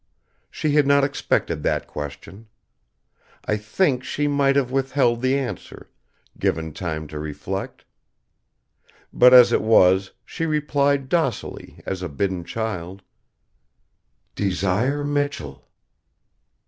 She had not expected that question. I think she might have withheld the answer, given time to reflect. But as it was, she replied docilely as a bidden child: "Desire Michell."